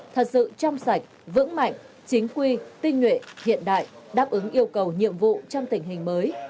thật sự trong sạch vững mạnh chính quy tinh nguyện hiện đại đáp ứng yêu cầu nhiệm vụ trong tình hình mới